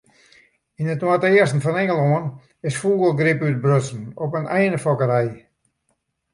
Yn it noardeasten fan Ingelân is fûgelgryp útbrutsen op in einefokkerij.